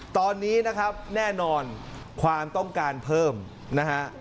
ตอนนี้นะครับแน่นอนความต้องการเพิ่มนะฮะ